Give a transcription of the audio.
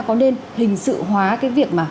có nên hình sự hóa cái việc mà